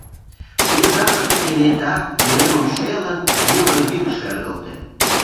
Тиде жапыште кенета, уремым шелын, муро йӱк шергылте.